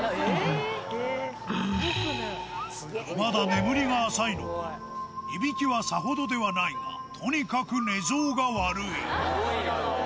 まだ眠りが浅いのか、いびきはさほどではないが、とにかく寝相が悪い。